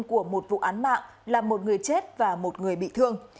của một vụ án mạng làm một người chết và một người bị thương